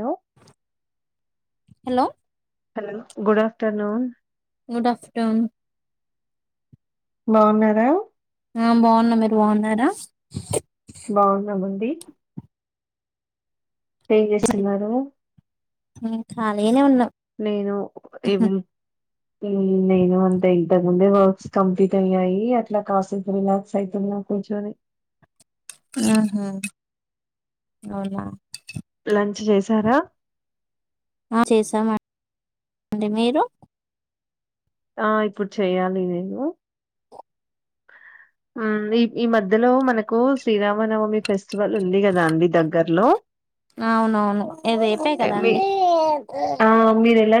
Hello hello hello good afternoon good afternoon బావున్నారా? ఆ బావున్నం మీరు బావున్నారా? బావున్నామండి. టే ఎం చేస్తున్నారు? మె కాలిగానే ఉన్న నేను ఇవి నేను అంతే ఇంతక ముం ప్డే వర్క్స్ కంప్లీట్ అయ్యాయి అట్లా కాసేపు రిలాక్స్ అయితున్న కూర్చొని ఉహుమ్ అవునా లంచ్ చేసారా? ఆ చేసాం ఆ అండి మీరు? ఆ ఇప్పుడు చేయాలి నేను హ్మ్ న్న్డ్ మధ్యలో మనకు శ్రీరామనవమి ఫెస్ ఫెస్టివల్ ఉందికదా అండి దగ్గరలో? అవునవును ఇ రేపే మీ కాదండి.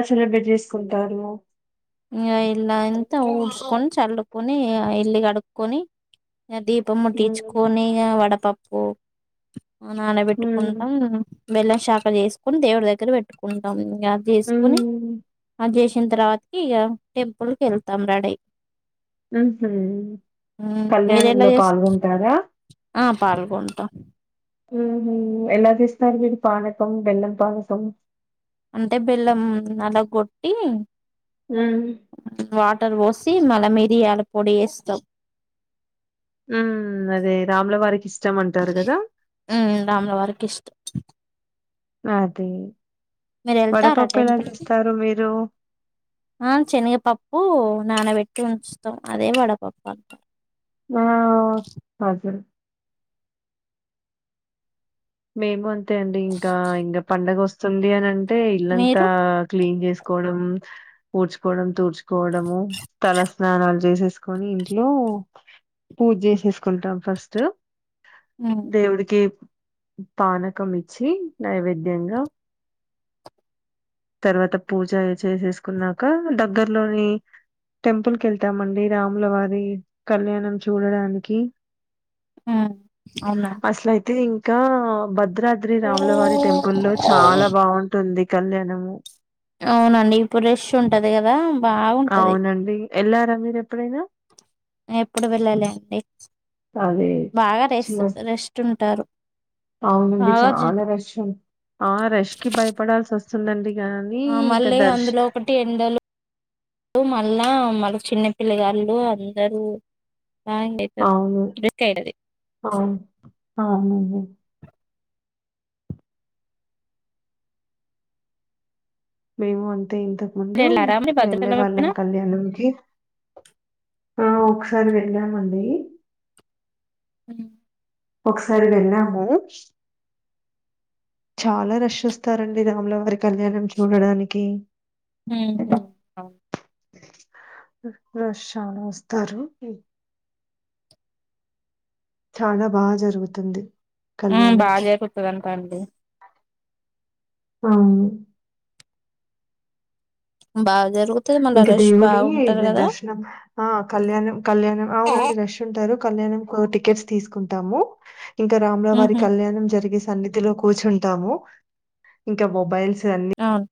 బ్రేట్ చేసుకుంటారు. హ్మ్ ఇల్లుంతా ఉడుచుకొని చల్లుకొని ఆ ఇ ఇల్లు కడుకొని ఆ దీపం మ్ ముట్టించుకొని ఇగ వడపప్పు మ్ నానబెట్టుకుంటాం బెల్లం శాఖ చేసుకొని దేవుడి దగ్గర పెట్టుకుంటాం. ఇగ ఆ మ్ చేసుకుని ఆది చేజెసిన తర్వాతకి ఇక టెంపుల్ కి ఏళ్తాం రెడీయి ఉహుమ్ మీరు ఎలా కళ్యాణంలో చేస్ పాల్గొంటారా? ఆ పాల్గొంటామ్ ఉహుమ్ ఎలా చేస్తారు మీరు పానకం, బెల్లం పానకం? అంటే బెల్లం నల్లగొట్టి హ్మ్ టర్ పోసి మల మిరియాల పొడి ఏస్తాం. హ్మ్ అదే రాములవారికి ఇష్టం అంటారు కదా. రాముల వారికి ఇష్టం నాది మీర్ ఏళ్ తారా టెంపుల్ కి మీరు? ఆ శనగపప్పు నానబెట్ ఉంచ్ స్తవ్ అదే వడపప్ప అ ఆ అ అదే మేము అంతే అండి ఇంకా ఇంగ పండగ వస్తుంది అని అంటే ఇల్లంతా మీరు క్లీన్ చేసి కోడం, వుడ్చుకోవడం, తూడ్చుకోవడం తల స్నానాలు చేసేసి తీసుకొని ఇంట్లో పూజ చేసేసుకుంటాం ఫస్ట్ ఉమ్ దేవుడికి పానకం ఇచ్చి నైవేద్యంగా తర్ వాత పూజ చేసేసుకున్నాక దగ్గర్ లోని టెంపుల్ కి ఏళ్తామండి రాముల వారి కళ్యాణం చూడడానికి ఉమ్ ఔనా తే ఇంకా భద్రాద్రి రాములవారి టెంపుల్ లో చాలా బాఉంటుంది కళ్యాణాము ఔనండి ఇపుడ్ రేష్ ఉంటది కదా బాఉంటది అవునండి ఎల్లారా మీర్ ఎప్పుడైన నే ఎప్పుడు వెళ్ళాలె అండి అదే బాగా రెసు రెస్ట్ టున్ ఔనండి చాలా రష్ ఆ రష్ కి భయపడాల్సి వస్తుందండి కానీ ఆ ఇంకా మళ్ళీ దర్శ అందులో ఒకటి ఎండలు ఉ మా మల్లా మలు చిన్న పిల్లగాళ్ళు అందరూ ఆయండీ ఇద్దర్ రిస్ కాయితది ఔన్ ఔనండి మేము అంత్ తే ఇంతక్ మీరు ముందు వెళ్ళారా మరి వెళ్ళే భద్రాచలం వాళ్ళం ఎప్పుడైనా కళ్యాణంకి ఆ ఒకసార్ వెళ్ళామండి ఉమ్ ఒక్ సార్ వెళ్ళము చాలా రష్ వస్తారండి రాములవారి కళ్యాణం చూడడానికి ఉహుమ్ ఆ రష్ చాలా వస్తారు ఉమ్ చాలా బా జరుగుతుంది ఉమ్ కళ్యాణం బా జరుగ్ తంట అండి ఔను బా జరుగ్ ఇంకా దేవుడి దద్ దర్ ష్ నమ్ ఆ కళ్యాణం కళ్యాణం ఔనండి రష్ ఉంటారు కళ్యాణమ్ ఒక్ టికెట్స్ తీసుకుంటాము ఇంకా రామూల వారి ఉహు కళ్యాణం జరిగేస్ సన్నిద్ లో కూర్చుంటాము ఇంకా మొబైల్స్ అన్ని ఔన్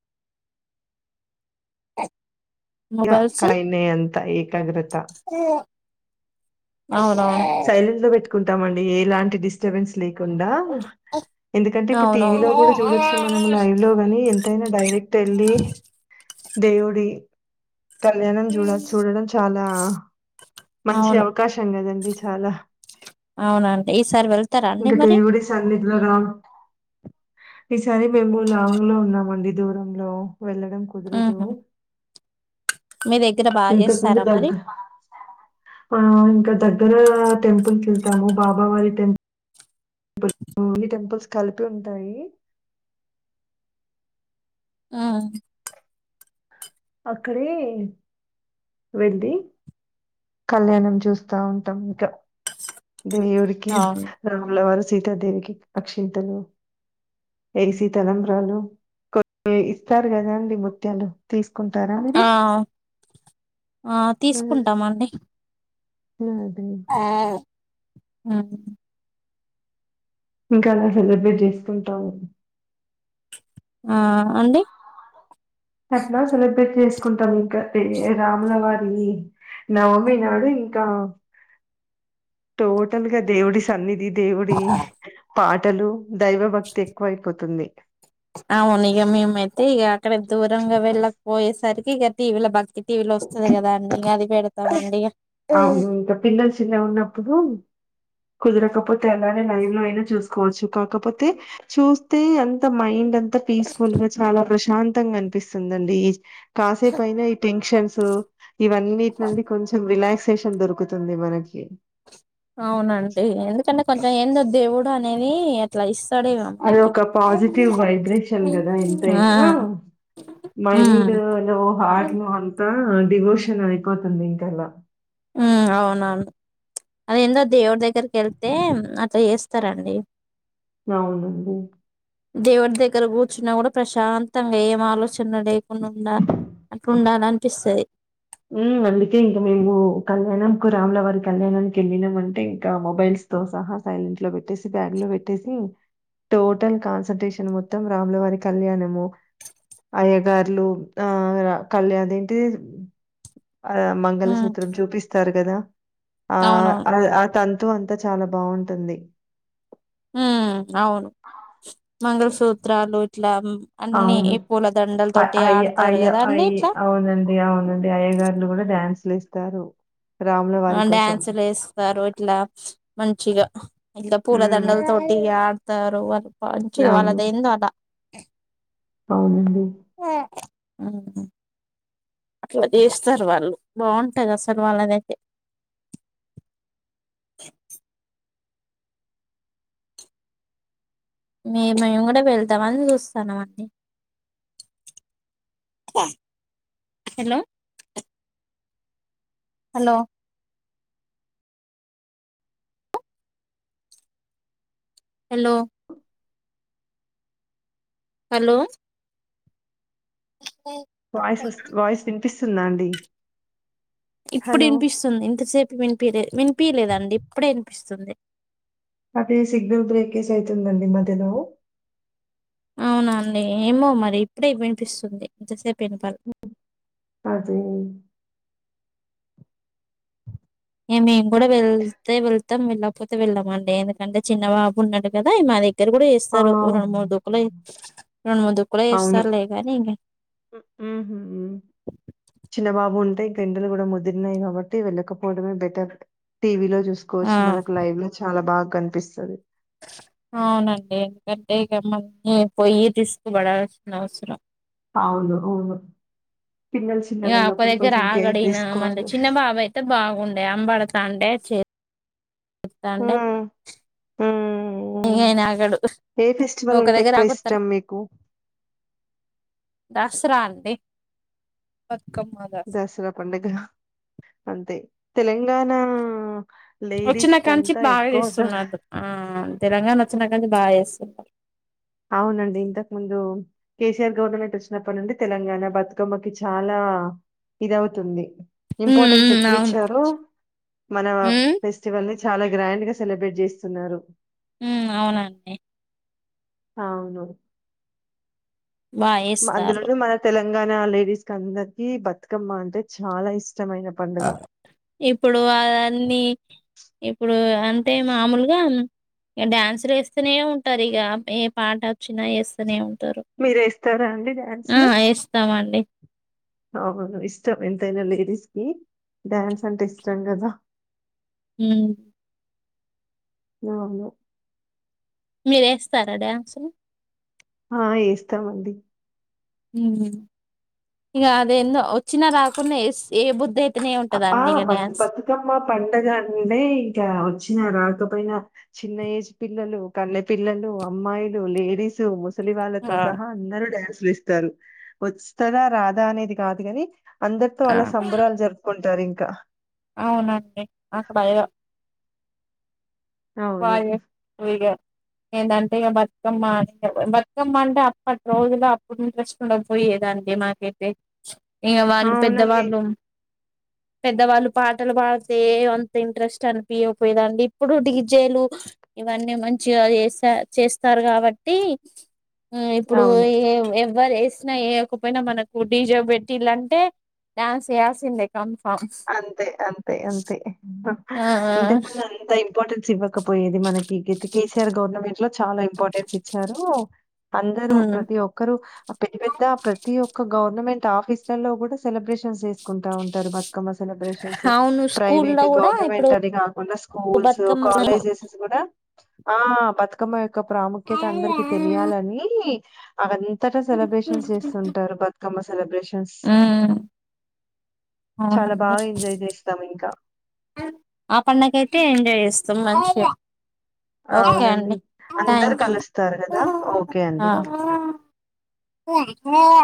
ఇగ మొబైల్స్ కారైనే అంత ఏకాగ్రత ఔ ఔన్ కుంటామండి ఏ లాంటి డిస్టబెన్ స్స్ లేకుండా ఎందుకంటే ఇప్పుడు టీవీ లో అవునవును కూడా చూడొచ్చు మనం లైవ్ లో గాని ఎంతైనా డైరెక్ట్ ఏళ్ళి దేవుడి కళ్యాణం జుడ చూడడం చాలా మంచి అవును అవకాశం గాదండి చాలా అవునండి ఈసారి వెళ్తారా అండి ఇంకా మరి దేవుడి సన్నిద్ లోన ఈసారి మేము లాంగ్ లో ఉన్నామండి దూరంలో వెళ్ళడం కుద్ రదు ఉహు మీ దగ్గర బాగా ఇంతంక్ ముందు చేస్తారా మరి దగ్గర్ అ ఇంకా దగ్గర టెంపుల్కి వెళ్తాము బాబావారి టెంపుల్ ఆ అన్ని టెంపుల్స్ కలిపి ఉంటాయి. ఆ అక్కడే వెళ్లి కళ్యాణం చూస్తా ఉంటాం ఇంక దేవుడికి అవును రాముల వారు స్ సీతాదేవికి అక్షింతలు ఏసీ తలంబ్రాలు కొన్ని ఇస్తారు గదాండి ముత్యాలు తీస్ కుంటారా మీరు ఆ ఆ తీస్ కుంటామండి అ అదే ఆ ఇంకా అలా సెలబ్రేట్ చేసుకుంటాము. అండి అట్ల సెలబ్రేట్ చేసుకుంటాం ఇంక ఏ రాములవారి వమి నవమి నాడు ఇంకా టోటల్ గా దేవుడి సన్నిధి దేవుడి పాటలు దైవభక్తి ఎక్కువైపోతుంది. అవును ఇగ మేమైతే ఇగ అక్కడ దూరంగా వెళ్ళకపోయేసరికి ఇగ టీవీల భక్ టీవీలో వస్తది గదా అండి ఇగ అది పెడతామండి. అవును ఇంక పిల్లల్ శిన్నగున్నపుడు కుదరకపోతే అలానే లైవ్ లో అయినా చూసుకోవచ్చు. కాకపోతే చూస్తే అంత మైండ్ అన్ త పీస్ఫుల్ గా చాలా ప్రశాంతంగా అనిపిస్తుందండి. ఈ కాసేపు అయినా ఈ టెన్షన్ సు ఇవన్నిటి నుండి కొంచెం రిలాక్సేషన్ దొరుకుతుంది మనకి. అవునండి ఎందుకంటే కొంచెం ఏందో దేవుడు అనేది అట్ల ఇస్ అది ఒక పాజిటివ్ వైబ్రేషన్ గదా ఎంతైనా ఉమ్ మైండ్ ను్ హార్ట్ ఉమ్ ను అంత ఆ డివోషన్ అయిపోతుంది ఇంకాలా మ్ అవునండి అదేందొ దేవుడి దగ్గరకెళ్తే అట్ల చెస్ త్తారాండి అవునండి దేవుడి దగ్గర కూర్చున్నా గూడా ప్రశాంతంగా ఏం ఆలోచన లేకుండుండా అట్లుండాలనిపిస్తది. మ్ అందుకే ఇంకా మేము కళ్యాణం కు రాములవారి కళ్యాణానికి వెళ్ళినము అంటే ఇంకా మొబైల్స్ తో సహా సైలెంట్ లో వెట్టేసి, బ్యాగ్ లో వెట్టేసి టోటల్ కాన్సన్ంట్రేషన్ మొత్తం రాములువారి కళ్యాణము అయ్యగార్లు ఆ ర కళ్యా దేంటిది ఆహ్ ఉమ్ మంగళసూత్రం చూపిస్తారు గదా ఆ అవునవును ఆ తన్ తు అంతా చాలా బావుంటుంది. మ్ అవును మంగళసూత్రాలు ఇట్లా అన్ని అవును ఈ పూలదండల అయ తోటి అయ్య ఆడతారు అయ్య కదా అన్ని అయ్య్ ఇట్లా అవునండి అవునండి అయ్యగారులు గూడా డ్యాన్స్ లేస్తారు ఆ డ్యాన్సులు ఎస్తారు ఇట్లా మంచిగా ఇట్ల హ్మ్. పూలదండల తోటి గా తారు వాళ్ళు ప మంచిగా అవును. వాళ్ళదేందో అలా అవునండి యా అవును అట్ల జేస్తారు వాళ్ళు బావుంటది అసలు వాళ్ళదైతే మే మేము గూడా వెళ్తామని చూస్తానామండి. Hello hello hello hello voice వస్త్ వాయిస్ వినిపిస్తుందా అండి ఇప్పుడు హలో! ఇనిపిస్తుంది ఇంతసేపు వినిపియలే వినిపియలేదండి ఇప్పుడే ఇనిపిస్తుంది అదే సిగ్నల్ బ్రేకెజ్ అయితుందండి మధ్యలో అవునండి ఏమో మరి ఇప్పుడే వినిపిస్తుంది. ఎంతసేపు వినపాలే అది ఇ మేము కూడా వేలతే వెల్ మొత్తం వెళ్ళకపోతే వెళ్ళామండి. ఎందుకంటే చిన్న బాబు ఉన్నాడు కదా మా దే దగ్గర కూడా ఆ! వేస్తారు ఓ రెండు మూడు డోకుళాయి అవును మ్మ్ మ్మ్ చిన్న బాబు ఉంట ఎండలు కూడా ముదిరినాయి కాబట్టి వెళ్ళకపోవడమే బెటర్ టీవీలో ఆ చూసుకోవచ్చు మనకు లైవ్ లో చాలా బాగా కనిపిస్తరు అవునండి ఎందుకంటే ఇకమ్ మల్ని పోయి తీసుకుబడాల్సిన అవసరం అవును అవును పిల్లలు ఇక అమ్మ చిన్నగున్నప్పుడు దగ్గర కొంచెం కేర్ ఆగడినా మళ్ళీ దీసుకోవాలి. చిన్న బాబు అయితే బాగుండే అంబడతా అంటే ఇస్తాంటే హ్మ్. హ్మ్. ఏ ఫెస్టివల్ ఒక అంటే దగ్గర ఎక్కువ ఆగుతారా ఇష్టం మీకు దసరా అంటే దసరా పండుగ అంతే తెలంగాణ వచ్చినా కంచి లేడీస్‌కంతా బాగా ఎక్కువగా చేస్తున్నారు ఆ తెలంగాణ వచ్చినాకచ్చి బాగా చేస్తుంటారు అవునండి ఇంతకు ముందు కేసీఆర్ గవర్నమెంట్ వచ్చినప్పటి నుండి తెలంగాణ బతుకమ్మకి చాలా ఆ ఇదవుతుంది ఉమ్ ఇంపార్టెన్స్ ఉమ్ ఎక్కువ అవును ఇచ్చారు మన హ్మ్. ఫెస్టివల్ ని చాలా గ్రాండ్ గా సెలబ్రేట్ చేస్తున్నారు ఉమ్ అవునండి అవును బా ఏస్తారు. అందులోనే మన తెలంగాణ లేడీస్ క అందరికీ బతుకమ్మ అంటే చాలా ఇష్టం ఇప్పుడు అవన్నీ ఇప్పుడు అంతే మామూలుగా ఇక డ్యాన్సులు వేస్తూనే ఉంటారు ఇక ఏ పాట వచ్చినా వస్తూనే ఉంటారు మీరేస్తారా అండి ఆ డాన్స్‌లు? ఎస్తాం అండి అవును ఇష్టం ఎంతైనా లేడీస్ కి డ్యాన్స్ అంటే ఇష్టం కదా ఉమ్ ఆవును మీరు వేస్తారా డాన్స్ ఆ వేస్తామ అండి ఇంక అది ఎందో వచ్చినా రాకుండా ఏ బుది అయి ఆ మ బతుకమ్మ మా పండగండే ఇంకా వచ్చిన రాకపోయినా చిన్న ఏజ్ పిల్లలు కల్ళె పిల్లలు అమ్మాయిలు లేడిస్ ముసలి ఆ! వాళ్ళతో సహా అందరు డాన్స్ వేస్తారు వస్తుదా రాదా అనేది కాదు కాని అందరితో ఆ! అలా సంబరాలు జరుపుకుంటారు ఇంకా అవునండి నాకు భయం అవును. వాగే వీడియో ఏంటంటే ఇక బతుకమ్మ బతుకమ్మ అంటే అప్పటి రోజులో అప్పుడు ఇంట్రెస్ట్ ఉండదు పోయి లేదంటే మాకైతే ఇంక వాళ్ళు అవునండి. పెద్దవాళ్ళు పెద్దవాళ్ళు పాటలు పాడితే అంత ఇంట్రెస్ట్ అనిపియా పోయదండి ఇప్పుడు డీజే జ్తెలు ఇవన్నీ మంచిగా చేసా చేస్తారు కాబట్టి ఆ ఇప్పుడు అవును. ఏ ఎవరు వేసినా వేయకపోయినా మనకు డీజే పెట్టింలంటే డాన్స్ వేయాల్సిందే. అంతే అంతే అంతే ఆ ఇంతకు అంతే. ఇంపార్టెన్స్ ఇవ్వకపోయేది మనకి కేసీఆర్ గవర్నమెంట్ లో చాలా ఇంపార్టెన్స్ ఇచ్చారు. అందరూ ప్రతి ఒక్కరూ పెద్ద పెద్ద ప్రతి ఒక్క గవర్నమెంట్ ఆఫీసులలో కూడా సెలబ్రేషన్స్ చేసుకుంటా ఉంటారు బా సెలబ్రేషన్స్ అవును స్కూల్లో ప్రైవేట్, కూడా ఇప్పుడు గవర్నమెంట్ అని కాకుండా స్కూల్స్, బతుకమ్మ కాలేజెస్ స్ కూడా ఆహ్ బతుకమ్మ యొక్క ప్రాముఖ్యత అందరికి తెలియాలని అన్. అంతట సెలబ్రేషన్స్ చేస్తుంటారు బతుకమ్మ సెలబ్రేషన్స్. ఉమ్ చాలా అవునండి. బాగా ఎంజాయ్ జేస్తాం ఇంకా. పండగయితే ఎంజాయ్ చేస్తాం మంచిగా. ఓకే అవునండి. అండి అందరూ థ్యాంక్ యూ కలుస్తారు గదా! ఓకే అండి. ఆహ్. ఆహ్.